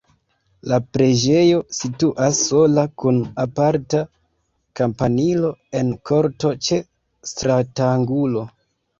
La preĝejo situas sola kun aparta kampanilo en korto ĉe stratangulo.